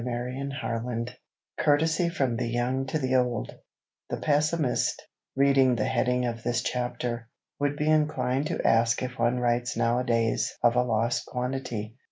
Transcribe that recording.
CHAPTER XXXVI COURTESY FROM THE YOUNG TO THE OLD THE pessimist, reading the heading of this chapter, would be inclined to ask if one writes nowadays of a lost quantity.